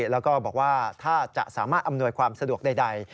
แล้วก็บอกว่าถ้าจะสามารถอำนวยความสะดวกใด